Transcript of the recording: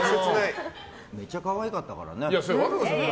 めっちゃ可愛かったからね。